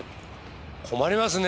困りますね